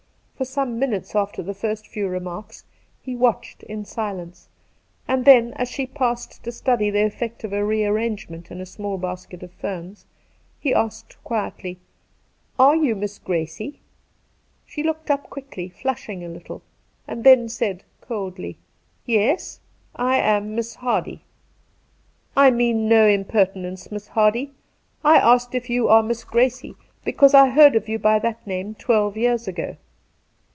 For some minutes after the first few remarks he watched in silence, and then, as she paused to study the effect of a rearrangement in a small basket of ferns, he asked quietly :' Are you Miss Gracie ?' She looked up quickly, flushing a little, and then said coldly: ' Yes, I am Miss Hardy.' * I mean no impertinence. Miss Hardy, I asked if you are Miss Gracie because I heard of you by that name twelve years ago.'